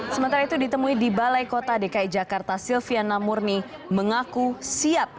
sementara itu ditemui di balai kota dki jakarta silviana murni mengaku siap